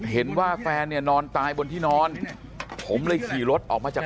เห็นว่าแฟนเนี่ยนอนตายบนที่นอนผมเลยขี่รถออกมาจาก